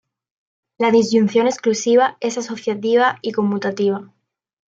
La disyunción exclusiva es asociativa y conmutativa.